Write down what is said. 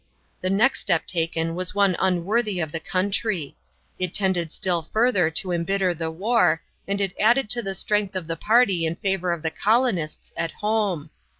The next step taken was one unworthy of the country. It tended still further to embitter the war, and it added to the strength of the party in favor of the colonists at home.